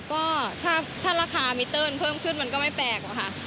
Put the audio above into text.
ก็ถ้าราคามิเตอร์มันเพิ่มขึ้นมันก็ไม่แปลกหรอกค่ะ